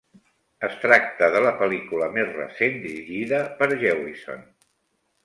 Es tracta de la pel·lícula més recent dirigida per Jewison.